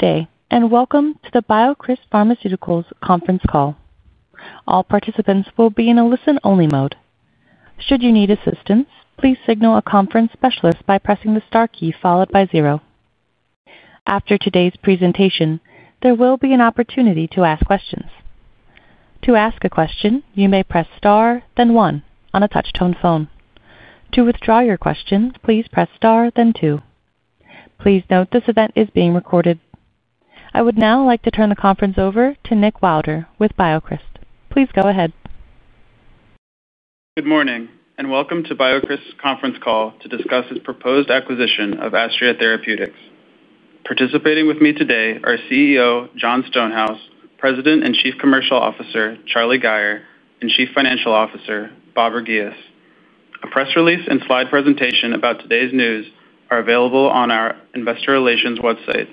Good day and welcome to the BioCryst Pharmaceuticals conference call. All participants will be in a listen-only mode. Should you need assistance, please signal a conference specialist by pressing the star key followed by zero. After today's presentation, there will be an opportunity to ask questions. To ask a question, you may press star then one on a touchtone phone. To withdraw your questions, please press star then two. Please note this event is being recorded. I would now like to turn the conference over to Nick Wilder with BioCryst. Please go ahead. Good morning and welcome to BioCryst's conference call to discuss its proposed acquisition of Astria Therapeutics. Participating with me today are CEO Jon. Stonehouse, President and Chief Commercial Officer Charlie Gayer, and Chief Financial Officer Babar Ghias. A press release and slide presentation about today's news are available on our investor relations website.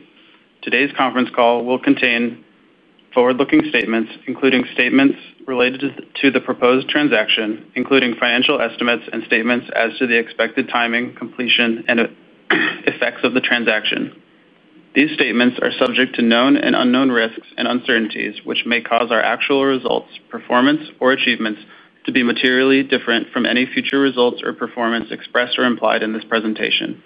Today's conference call will contain forward-looking statements, including statements related to the proposed. Transaction, including financial estimates and statements. To the expected timing, completion, and effects of the transaction. These statements are subject to known and unknown risks and uncertainties, which may cause our actual results, performance, or achievements to be materially different from any future results or performance expressed or implied in this presentation.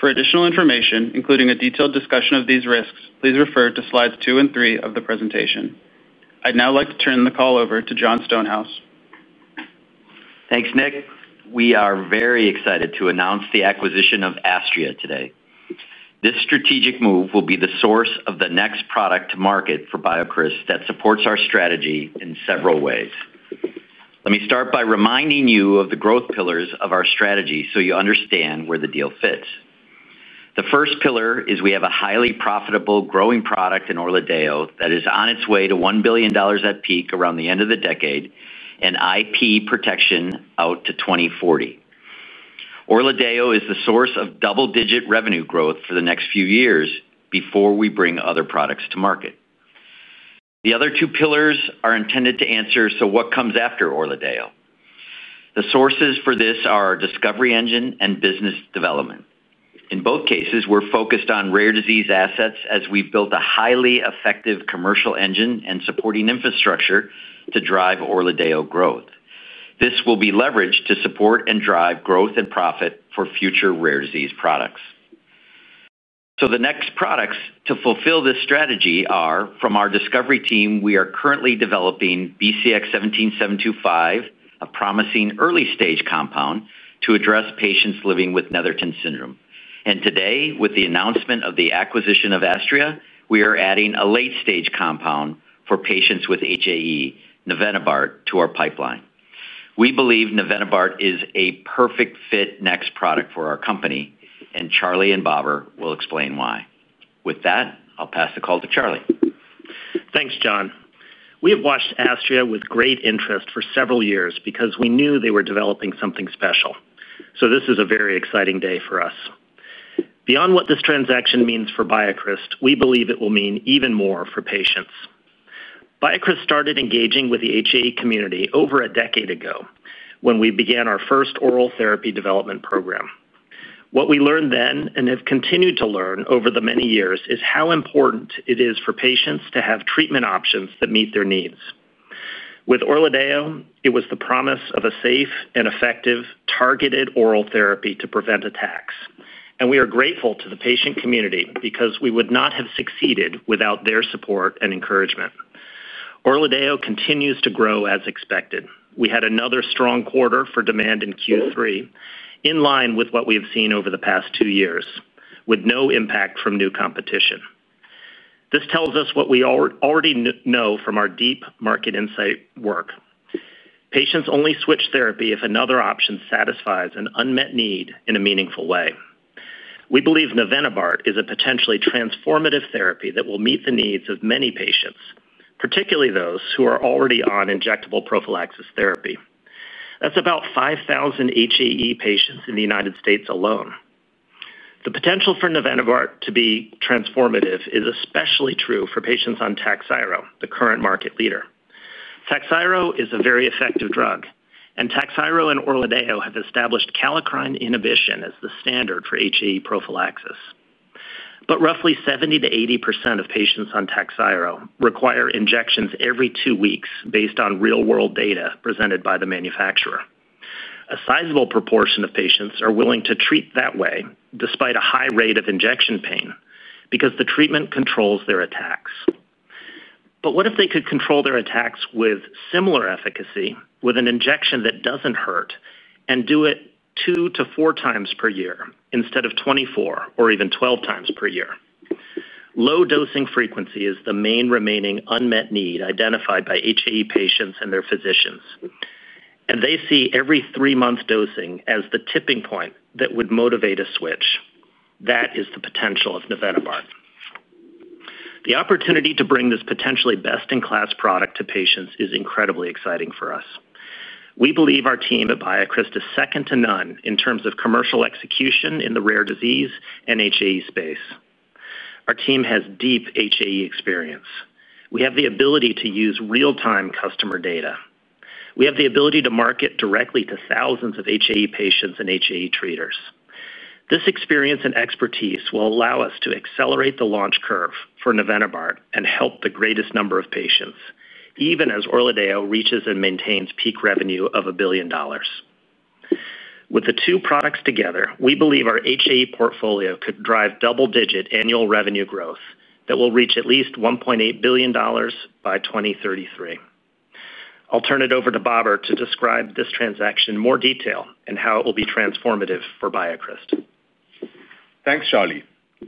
For additional information, including a detailed discussion. Of these risks, please refer to slides. Two and three of the presentation. I'd now like to turn the call. Thanks, Nick. We are very excited to announce the acquisition of Astria Therapeutics today. This strategic move will be the source of the next product to market for BioCryst Pharmaceuticals that supports our strategy in several ways. Let me start by reminding you of the growth pillars of our strategy so you understand where the deal fits. The first pillar is we have a highly profitable, growing product in ORLADEYO that is on its way to $1 billion at peak around the end of the decade and intellectual property protection out to 2040. ORLADEYO is the source of double-digit revenue growth for the next few years before we bring other products to market. The other two pillars are intended to answer what comes after ORLADEYO. The sources for this are discovery engine and business development. In both cases, we're focused on rare disease assets as we built a highly effective commercial engine and supporting infrastructure to drive ORLADEYO growth. This will be leveraged to support and drive growth and profit for future rare disease products. The next products to fulfill this strategy are from our discovery team. We are currently developing BCX17725, a promising early-stage compound to address patients living with Netherton Syndrome. Today, with the announcement of the acquisition of Astria Therapeutics, we are adding a late-stage compound for patients with hereditary angioedema (HAE), Nevenibart, to our pipeline. We believe Nevenibart is a perfect fit next product for our company. Charlie Gayer and Babar Ghias will explain why. With that, I'll pass the call to Charlie. Thanks, John. We have watched Astria with great interest for several years because we knew they were developing something special. This is a very exciting day for us. Beyond what this transaction means for BioCryst, we believe it will mean even more for patients. BioCryst started engaging with the HAE community over a decade ago when we began our first oral therapy development program. What we learned then, and have continued to learn over the many years, is how important it is for patients to have treatment options that meet their needs. With ORLADEYO, it was the promise of a safe and effective targeted oral therapy to prevent attacks. We are grateful to the patient community because we would not have succeeded without their support and encouragement. ORLADEYO continues to grow. As expected, we had another strong quarter for demand in Q3, in line with what we have seen over the past two years with no impact from new competition. This tells us what we already know from our deep market insight work. Patients only switch therapy if another option satisfies an unmet need in a meaningful way. We believe Nevenibart is a potentially transformative therapy that will meet the needs of many patients, particularly those who are already on injectable prophylaxis therapy. That's about 5,000 HAE patients in the United States alone. The potential for Nevenibart to be transformative is especially true for patients on Takhzyro, the current market leader. Takhzyro is a very effective drug and Takhzyro and ORLADEYO have established kallikrein inhibition as the standard for HAE prophylaxis. Roughly 70% to 80% of patients on Takhzyro require injections every two weeks, based on real world data presented by the manufacturer. A sizable proportion of patients are willing to treat that way despite a high rate of injection pain because the treatment controls their attacks. If they could control their attacks with similar efficacy with an injection that doesn't hurt and do it two to four times per year instead of 24 or even 12 times per year, that would be significant. Low dosing frequency is the main remaining unmet need identified by HAE patients and their physicians and they see every three month dosing as the tipping point that would motivate a switch. That is the potential of Nevenibart. The opportunity to bring this potentially best in class product to patients is incredibly exciting for us. We believe our team at BioCryst is second to none in terms of commercial execution in the rare disease and HAE space. Our team has deep HAE experience. We have the ability to use real-time customer data. We have the ability to market directly to thousands of HAE patients and HAE treaters. This experience and expertise will allow us to accelerate the launch curve for Nevenibart and help the greatest number of patients. Even as ORLADEYO reaches and maintains peak revenue of $1 billion with the two products together, we believe our HAE portfolio could drive double-digit annual revenue growth that will reach at least $1.8 billion by 2033. I'll turn it over to Babar to describe this transaction in more detail and how it will be transformative for BioCryst. Thanks, Charlie.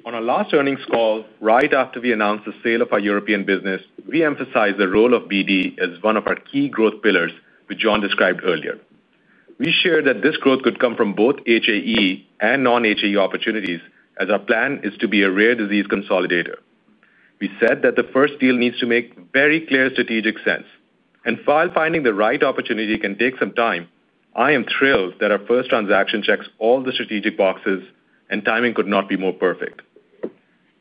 On our last earnings call, right after we announced the sale of our European business, we emphasized the role of BD as one of our key growth pillars, which Jon described earlier. We shared that this growth could come from both HAE and non-HAE opportunities, as our plan is to be a rare disease consolidator. We said that the first deal needs to make very clear strategic sense, and while finding the right opportunity can take some time, I am thrilled that our first transaction checks all the strategic boxes and timing could not be more perfect.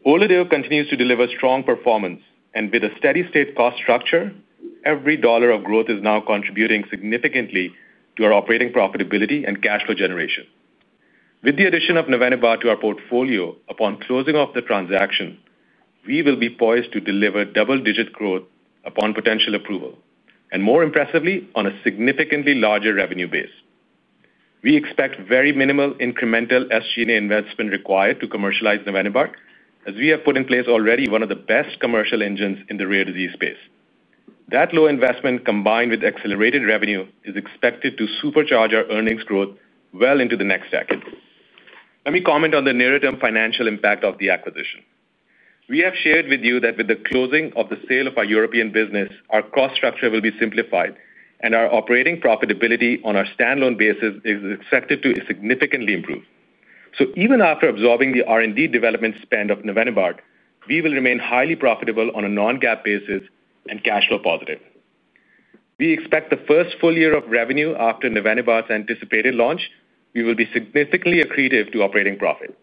ORLADEYO continues to deliver strong performance, and with a steady-state cost structure, every dollar of growth is now contributing significantly to our operating profitability and cash flow generation. With the addition of Nevenibart to our portfolio upon closing of the transaction, we will be poised to deliver double-digit growth upon potential approval and, more impressively, on a significantly larger revenue base. We expect very minimal incremental SG&A investment required to commercialize Nevenibart, as we have put in place already one of the best commercial engines in the rare disease space. That low investment combined with accelerated revenue is expected to supercharge our earnings growth well into the next decade. Let me comment on the nearer-term financial impact of the acquisition. We have shared with you that with the closing of the sale of our European business, our cost structure will be simplified and our operating profitability on our standalone basis is expected to significantly improve. Even after absorbing the R&D development spend of Nevenibart, we will remain highly profitable on a non-GAAP basis and cash flow positive. We expect the first full year of revenue after Nevenibart's anticipated launch will be significantly accretive to operating profit.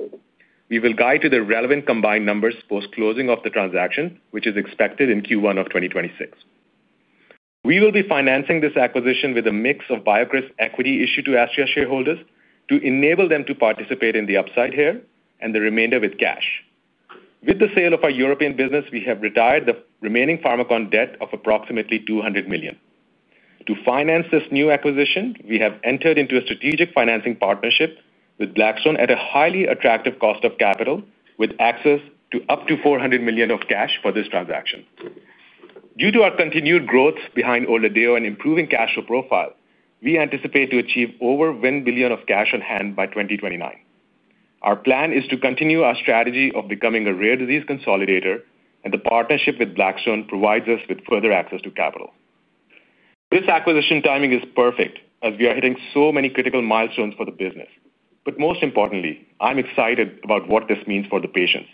We will guide to the relevant combined numbers post-closing of the transaction, which is expected in Q1 2026. We will be financing this acquisition with a mix of BioCryst's equity issued to Astria shareholders to enable them to participate in the upside here and the remainder with cash. With the sale of our European business, we have retired the remaining Pharmakon debt of approximately $200 million. To finance this new acquisition, we have entered into a strategic financing partnership with Blackstone at a highly attractive cost of capital, with access to up to $400 million of cash for this transaction. Due to our continued growth behind ORLADEYO and improving cash flow profile, we anticipate to achieve over $1 billion of cash on hand by 2029. Our plan is to continue our strategy of becoming a rare disease consolidator and the partnership with Blackstone provides us with further access to capital. This acquisition timing is perfect as we are hitting so many critical milestones for the business, most importantly, I'm excited about what this means for the patients.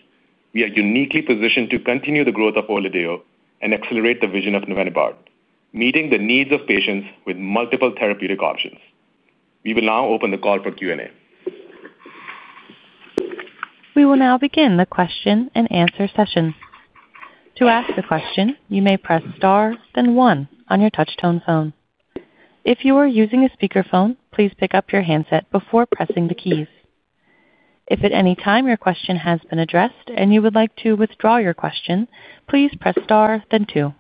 We are uniquely positioned to continue the growth of ORLADEYO and accelerate the vision of Nevenibart meeting the needs of patients with multiple therapeutic options. We will now open the call for Q and A. We will now begin the question and answer session. To ask a question, you may press star then 1 on your touchtone phone. If you are using a speakerphone, please pick up your handset before pressing the keys. If at any time your question has been addressed and you would like to withdraw your question, please press star then 2.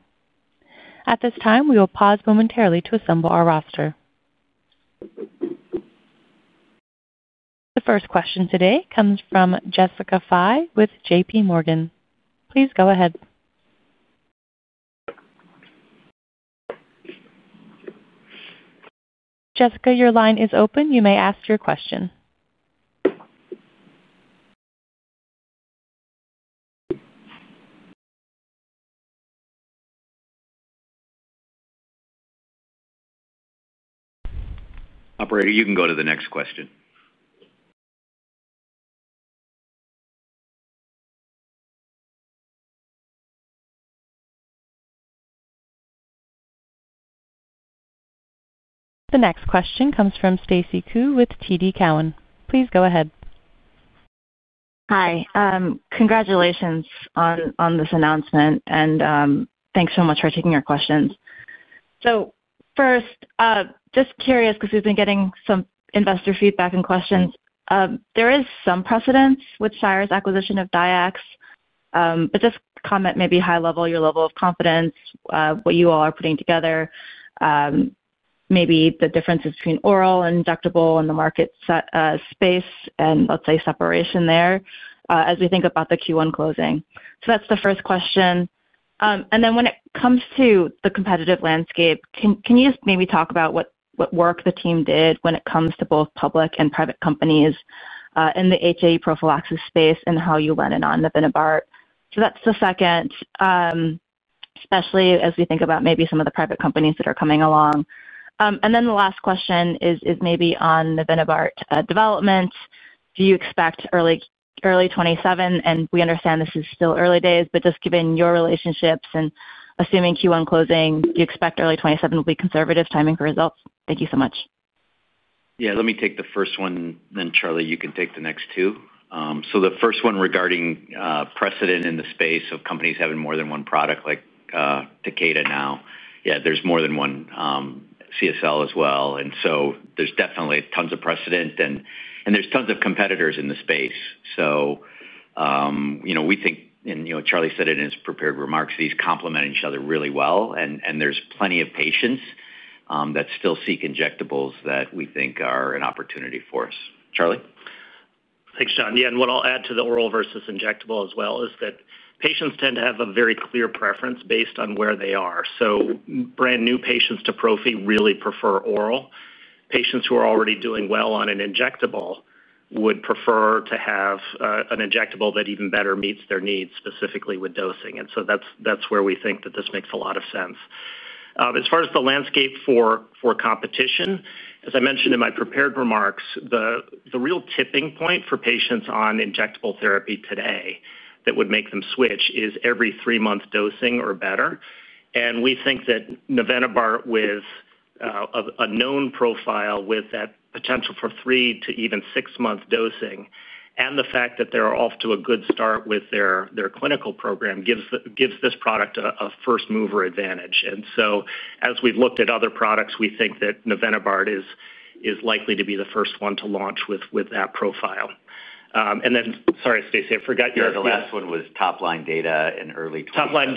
At this time, we will pause momentarily to assemble our roster. The first question today comes from Jessica Fye with JP Morgan. Please go ahead, Jessica. Your line is open, you may ask your question. Operator, you can go to the next question. The next question comes from Stacy Ku with TD Cowen. Please go ahead. Hi, congratulations on this announcement and thanks so much for taking your questions. First, just curious because we've been getting some investor feedback and questions. There is some precedence with Shire's acquisition of Dyax. Just comment, maybe high level, your level of confidence, what you all are putting together, maybe the differences between oral and injectable and the market space and let's say separation there as we think about the Q1 2026 closing. That's the first question. When it comes to the competitive landscape, can you just maybe talk about what work the team did when it comes to both public and private companies in the hereditary angioedema (HAE) prophylaxis space and how you landed on Nevenibart? That's the second, especially as we think about maybe some of the private companies that are coming along. The last question is maybe on the Nevenibart development, do you expect early 2027? We understand this is still early days, but just given your relationships and assuming Q1 2026 closing, do you expect early 2027 will be conservative timing for results? Thank you so much. Let me take the first one, then Charlie, you can take the next two. The first one regarding precedent in the space of companies having more than one product like Takeda now, there's more than one, CSL as well. There's definitely tons of precedent and there's tons of competitors in the space. We think, and Charlie said it in his prepared remarks, these complement each other really well. There's plenty of patients that still seek injectables that we think are an opportunity for us. Charlie. Thanks, Jon. Yeah. What I'll add to the oral versus injectable as well is that patients tend to have a very clear preference based on where they are. Brand new patients to prophylaxis really prefer oral. Patients who are already doing well on an injectable would prefer to have an injectable that even better meets their needs, specifically with dosing. That's where we think that this makes a lot of sense as far as the landscape for competition. As I mentioned in my prepared remarks, the real tipping point for patients on injectable therapy today that would make them switch is every three month dosage or better. We think that Nevenibart with a known profile with that potential for three to even six month dosing, and the fact that they're off to a good start with their clinical program, gives this product a first mover advantage. As we've looked at other products, we think that Nevenibart is likely to be the first one to launch with that profile. Sorry, Stacy, I forgot your. Yeah, the last one was top line data in early 2020.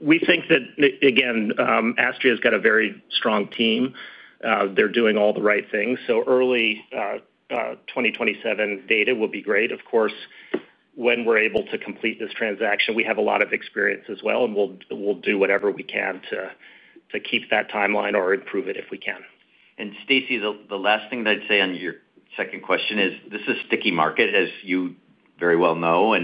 We think that again, Astria's got a very strong team, they're doing all the right things. Early 2027 data will be great. Of course, when we're able to complete this transaction, we have a lot of experience as well and we'll do whatever we can to keep that timeline or improve it if we can. Stacy, the last thing that I'd say on your second question is this is a sticky market, as you very well know.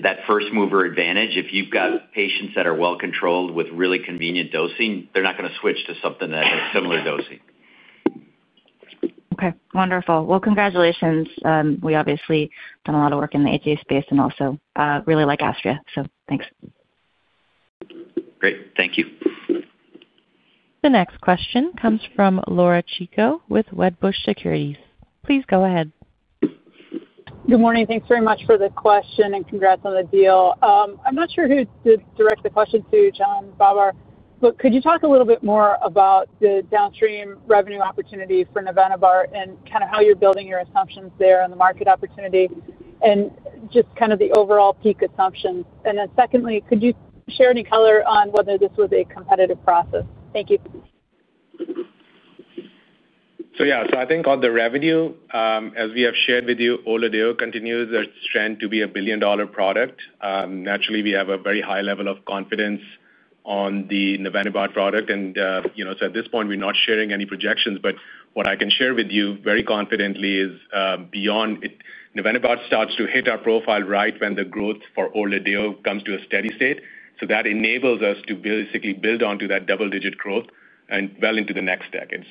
That first mover advantage, if you've got patients that are well controlled with really convenient dosing, they're not going to switch to something that has similar dosing. Okay, wonderful. Congratulations. We've obviously done a lot of work in the HAE space and also really like Astria. Thanks. Great, thank you. The next question comes from Laura Chico with Wedbush Securities. Please go ahead. Good morning. Thanks very much for the question and congrats on the deal. I'm not sure who to direct the question to, Jon or Babar, but could you talk a little bit more about the downstream revenue opportunity for Nevenibart and kind of how you're building your assumptions there and the market opportunity and just kind of the overall peak assumptions. Secondly, could you share any color on whether this was a competitive process? Thank you. I think on the revenue as we have shared with you, ORLADEYO continues its trend to be a billion dollar product. Naturally, we have a very high level of confidence on the Nevenibart product. At this point we're not sharing any projections. What I can share with you very confidently is beyond Nevenibart starts to hit our profile right when the growth for ORLADEYO comes to a steady state. That enables us to basically build onto that double digit growth and well into the next decade.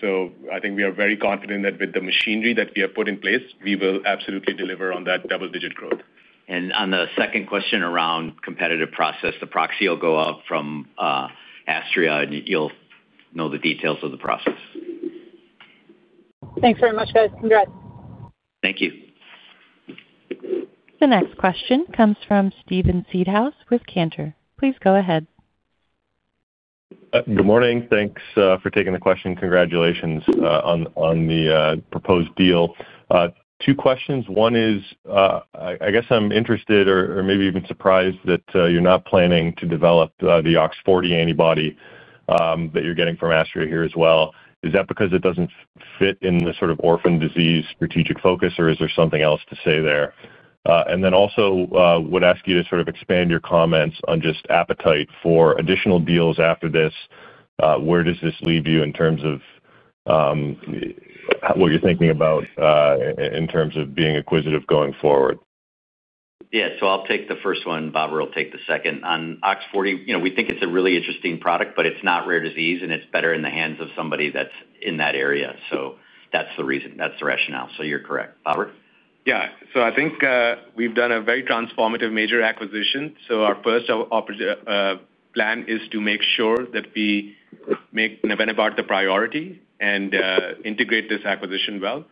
I think we are very confident that with the machinery that we have put in place, we will absolutely deliver on that double digit growth. On the second question around competitive process, the proxy will go out from Astria Therapeutics and you'll know the details of the process. Thanks very much, guys. Congrats. Thank you. The next question comes from Steven Seedhouse with Cantor. Please go ahead. Good morning. Thanks for taking the question. Congratulations on the proposed deal. Two questions. One is, I guess I'm interested or maybe even surprised that you're not planning to develop the OX40 antibody that you're getting from Astria here as well. Is that because it doesn't fit in the sort of orphan disease strategic focus, or is there something else to say there? Also, would ask you to sort of expand your comments on just appetite for additional deals after this. Where does this leave you in terms of what you're thinking about in terms of being acquisitive going forward? Yeah, so I'll take the first one, Babar will take the second on OX40. You know, we think it's a really interesting product but it's not rare disease and it's better in the hands of somebody that's in that area. That's the reason. That's the rationale. You're correct, Robert. Yeah. I think we've done a very transformative major acquisition. Our first plan is to make sure that we make the priority and integrate this acquisition well.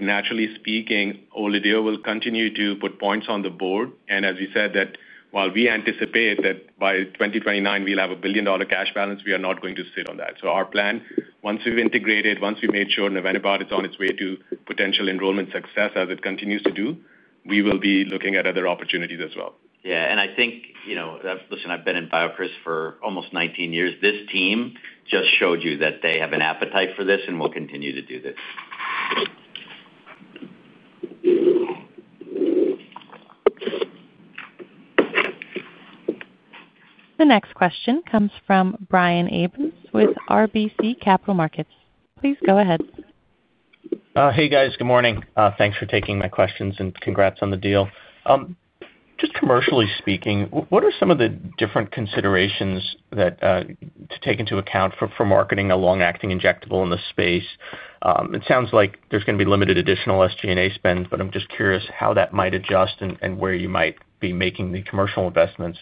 Naturally speaking, ORLADEYO will continue to put points on the board. As we said, while we anticipate that by 2029 we'll have a $1 billion cash balance, we are not going to sit on that. Our plan, once we've integrated, once we've made sure Nevenibart is on its way to potential enrollment success as it continues to do, we will be looking at other opportunities as well. Yeah, I think, you know, listen, I've been in BioCryst for almost 19 years. This team just showed you that they have an appetite for this and will continue to do this. The next question comes from Brian Abrahams with RBC Capital Markets. Please go ahead. Hey guys, good morning. Thanks for taking my questions and congrats on the deal. Just commercially speaking, what are some of the different considerations to take into account for marketing a long-acting injectable in the space? It sounds like there's going to be limited additional SG&A spend, but I'm just curious how that might adjust and where you might be making the commercial investments.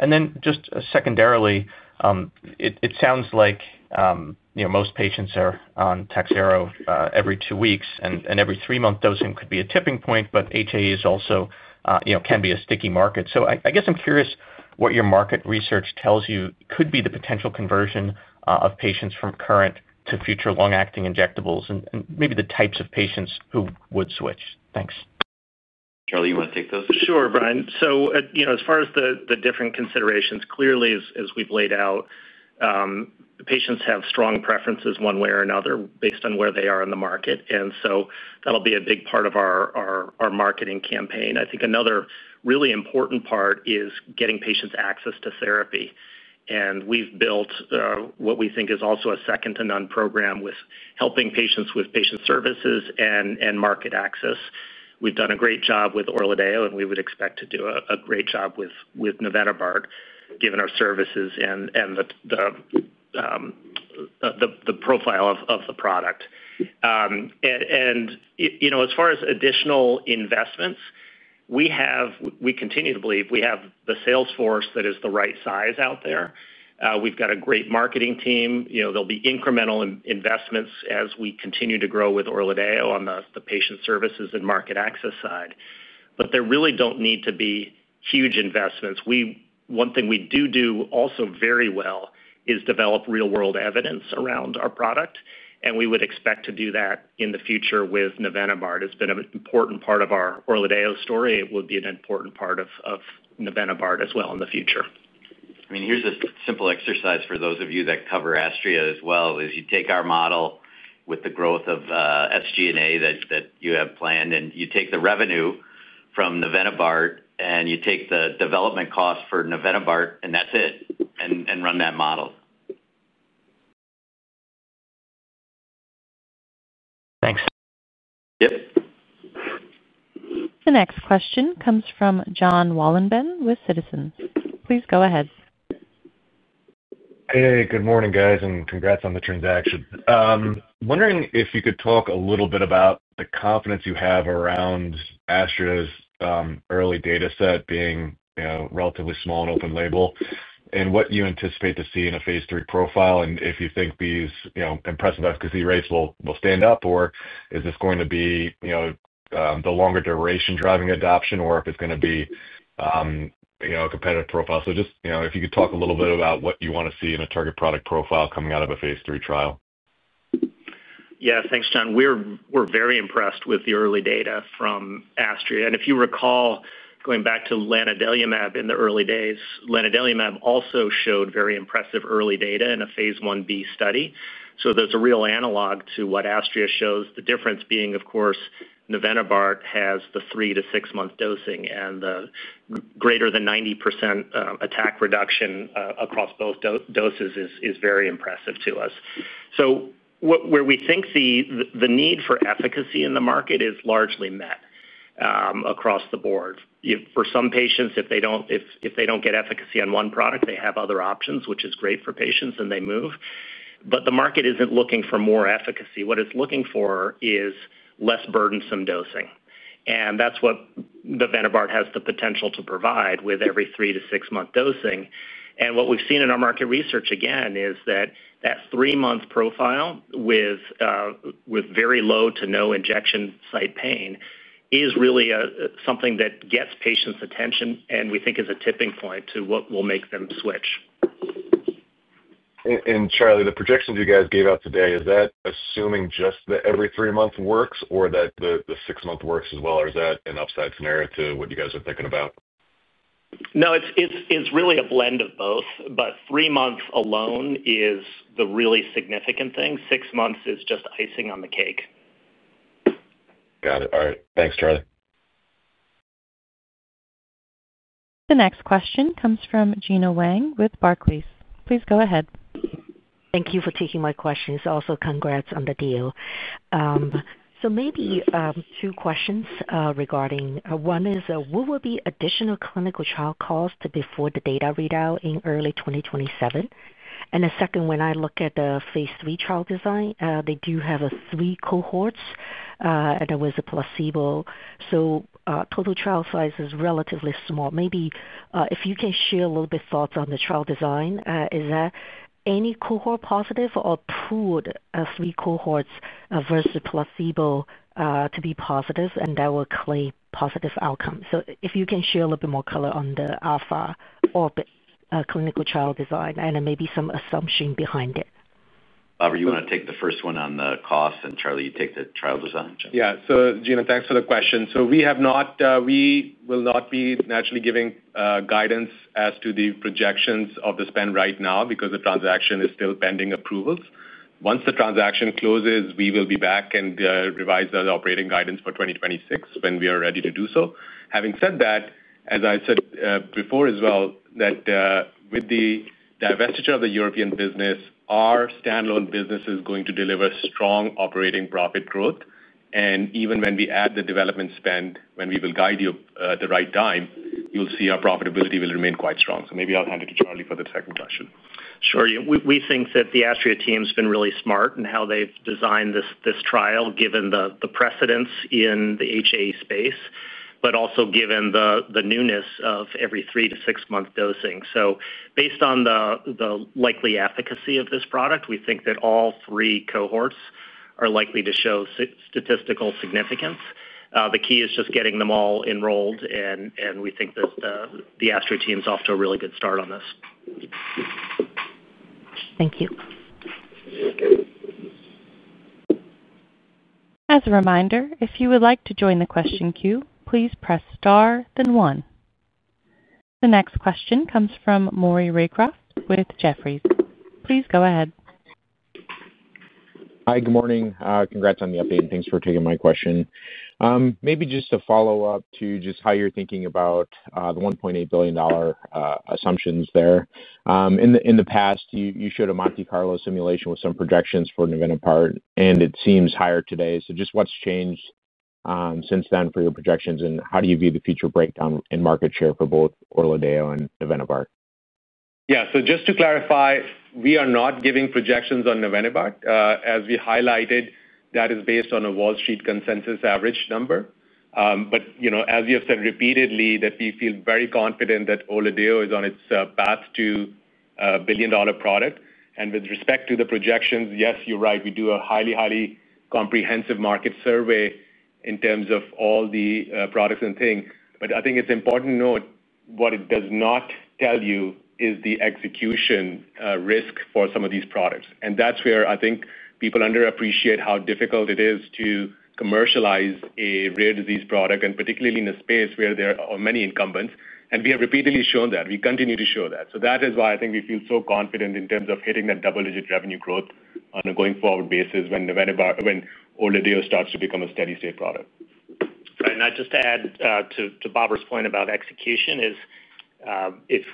Then just secondarily, it sounds like most patients are on Takhzyro every two weeks and every three-month dosing could be a tipping point. HAE also can be a sticky market. I guess I'm curious what your market research tells you could be the potential conversion of patients from current to future long-acting injectables and maybe the types of patients who would switch. Thanks, Charlie. You want to take those? Sure, Brian. As far as the different considerations, clearly as we've laid out, patients have strong preferences one way or another based on where they are in the market. That'll be a big part of our marketing campaign. I think another really important part is getting patients access to therapy. We've built what we think is also a second to none program with helping patients with patient services and market access. We've done a great job with ORLADEYO and we would expect to do a great job with Nevenibart given our services and the profile of the product. As far as additional investments we have, we continue to believe we have the sales force that is the right size out there. We've got a great marketing team. There'll be incremental investments as we continue to grow with ORLADEYO on the patient services and market access side. There really don't need to be huge investments. One thing we do also very well is develop real world evidence around our product and we would expect to do that in the future with Nevenibart. It's been an important part of our ORLADEYO story. It would be an important part of Nevenibart as well in the future. I mean, here's a simple exercise for those of you that cover Astria as well. You take our model with the growth of SG&A that you have planned, and you take the revenue from Nevenibart, and you take the development cost for Nevenibart, and that's it. Run that model. Thanks. Yep. The next question comes from Jonathan Wolleben with Citizens. Please go ahead. Hey, good morning guys, and congrats on the transaction. Wondering if you could talk a little bit about the confidence you have around Astria's early data set being relatively small and open label, and what you anticipate to see in a phase three profile. If you think these impressive efficacy rates will stand up, or if this is going to be the longer duration driving adoption, or if it's going to be a competitive profile. Just if you could talk a little bit about what you want to see in a target product profile coming out of a phase three trial. Yeah, thanks, John. We're very impressed with the early data from Astria. If you recall going back to Takhzyro in the early days, Takhzyro also showed very impressive early data in a phase 1b study. There's a real analog to what Astria shows. The difference being, of course, nevenibart has the three to six month dosing and the greater than 90% attack reduction across both doses is very impressive to us. Where we think the need for efficacy in the market is largely met across the board for some patients, if they don't get efficacy on one product, they have other options, which is great for patients and they move. The market isn't looking for more efficacy. What it's looking for is less burdensome dosing. That's what nevenibart has the potential to provide with every three to six month dosing. What we've seen in our market research, again, is that that three month profile with very low to no injection site pain is really something that gets patients' attention and we think is a tipping point to what will make them switch. Charlie, the projections you guys gave out today, is that assuming just that every three months works or that the six month works as well, or is that an upside scenario to what you guys are thinking about? No, it's really a blend of both. Three months alone is the really significant thing. Months is just icing on the cake. Got it. All right, thanks, Charlie. The next question comes from Gina Wang with Barclays. Please go ahead. Thank you for taking my questions. Also, congrats on the deal. Maybe two questions regarding. One is what will be additional clinical trial cost before the data readout in early 2027. The second, when I look at the Phase 3 trial design, they do have a 3COH and there was a placebo. Total trial size is relatively small. Maybe if you can share a little bit thoughts on the trial design. Is that any cohort positive or proved three cohorts versus placebo to be positive and that will claim positive outcomes. If you can share a little bit more color on the alpha or clinical trial design and maybe some assumption behind it. Babar, you want to take the first one on the costs, and Charlie, you take the trial design. Yeah. Gina, thanks for the question. We have not, we will not be naturally giving guidance as to the projections of the spend right now because the transaction is still pending approvals. Once the transaction closes, we will be back and revise the operating guidance for 2026 when we are ready to do so. Having said that, as I said before as well, with the divestiture of the European business, our standalone business is going to deliver strong operating profit growth. Even when we add the development spend, when we will guide you at the right time, you'll see our profitability will remain quite strong. Maybe I'll hand it to Charlie for the second question. Sure. We think that the Astria Therapeutics team's been really smart in how they've designed this trial, given the precedence in the hereditary angioedema (HAE) space, but also given the newness of every three to six month dosing. Based on the likely efficacy of this product, we think that all three cohorts are likely to show statistical significance. The key is just getting them all enrolled, and we think that the Astria Therapeutics team's off to a really good start on this. Thank you. As a reminder, if you would like to join the question queue, please press star then one. The next question comes from Maury Raycroft with Jefferies. Please go ahead. Hi, good morning. Congrats on the update and thanks for taking my question. Maybe just a follow up. How you're thinking about the $1.8 billion assumptions there. In the past you showed a Monte. Carlo simulation with some projections for Nevenibart. Apart, and it seems higher today. What's changed since then for your projections, and how do you view? The future breakdown in market share for. Both ORLADEYO and Nevenibart? Yeah. Just to clarify, we are not giving projections on Nevenibart as we highlighted, that is based on a Wall Street consensus average number. As you have said repeatedly, we feel very confident that ORLADEYO is on its path to a billion dollar product. With respect to the projections, yes, you're right. We do a highly, highly comprehensive market survey in terms of all the products and things. I think it's important to note what it does not tell you is the execution risk for some of these products. That's where I think people underappreciate how difficult it is to commercialize a rare disease product, particularly in a space where there are many incumbents. We have repeatedly shown that. We continue to show that. That is why I think we feel so confident in terms of hitting that double digit revenue growth on a going forward basis when ORLADEYO starts to become a steady state product. I'd just add to Babar's point about execution, if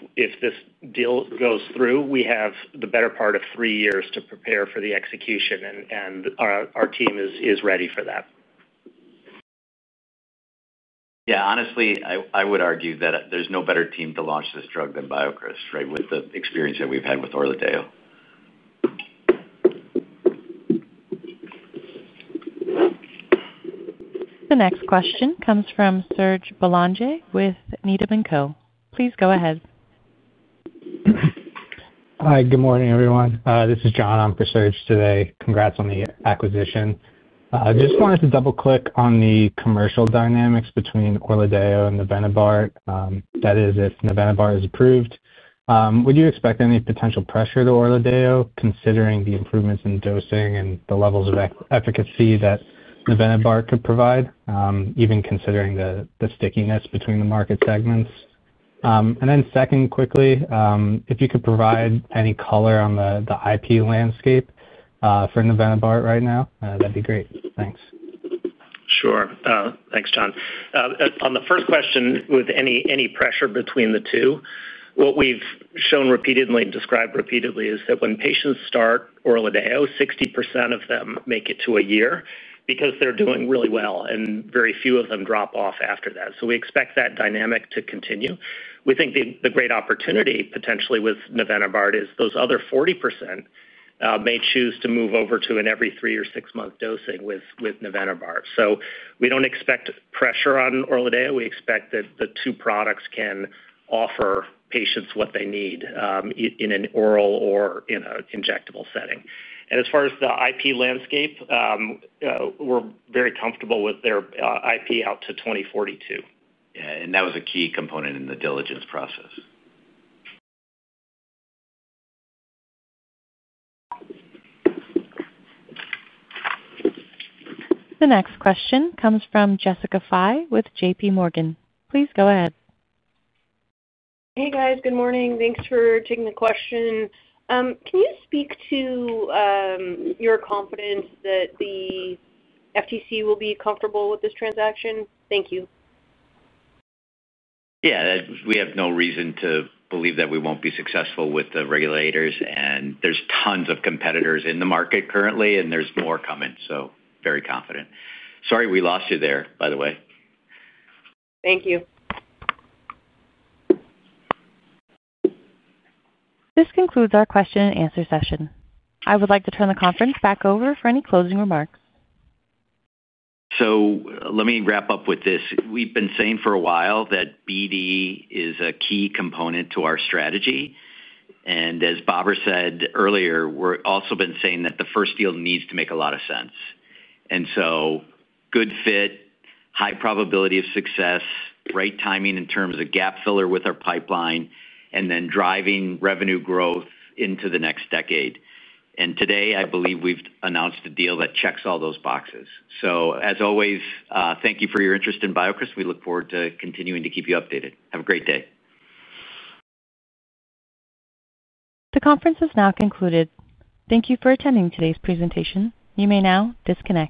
this deal goes through, we have the better part of three years to prepare for the execution and our team is ready for that. Yeah, honestly, I would argue that there's no better team to launch this drug than BioCryst. Right. With the experience that we've had with ORLADEYO. The next question comes from Serge Belanger with Needham and Co. Please go ahead. Hi, good morning everyone. This is John. I'm for Serge today. Congrats on the acquisition. I just wanted to double click on the commercial dynamics between ORLADEYO and Nevenibart. That is, if Nevenibart is approved, would you expect any potential pressure to ORLADEYO considering the improvements in dosing and the levels of efficacy that Nevenibart could provide, even considering the stickiness between the market segments. If you could provide any color on the IP landscape for Nevenibart right now, that'd be great. Thanks. Sure. Thanks, John. On the first question, with any pressure between the two, what we've shown repeatedly and described repeatedly is that when patients start ORLADEYO, 60% of them make it to a year because they're doing really well, and very few of them drop off after that. We expect that dynamic to continue. We think the great opportunity potentially with Nevenibart is those other 40% may choose to move over to an every three or six month dosing with Nevenibart. We don't expect pressure on ORLADEYO. We expect that the two products can offer patients what they need in an oral or in an injectable setting. As far as the IP landscape, we're very comfortable with their IP out. To 2042, and that was a key component in the diligence process. The next question comes from Jessica Fye with JP Morgan. Please go ahead. Hey, guys, good morning. Thanks for taking the question. Can you speak to your confidence that the FTC will be comfortable with this transaction? Thank you. Yeah, we have no reason to believe that we won't be successful with the regulators, and there are tons of competitors in the market currently, and there are more coming. Very confident. Sorry we lost you there, by the way. Thank you. This concludes our question and answer session. I would like to turn the conference back over for any closing remarks. Let me wrap up with this. We've been saying for a while that BD is a key component to our strategy. As Babar said earlier, we've also been saying that the first deal needs to make a lot of sense. Good fit, high probability of success, right timing in terms of gap filler with our pipeline, and then driving revenue growth into the next decade. Today, I believe we've announced a deal that checks all those boxes. As always, thank you for your interest in BioCryst. We look forward to continuing to keep you updated. Have a great day. The conference has now concluded. Thank you for attending today's presentation. You may now disconnect.